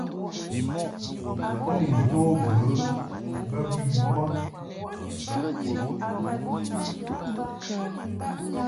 U ni nto ghə bə bi wə ?